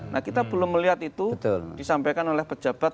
nah kita belum melihat itu disampaikan oleh pejabat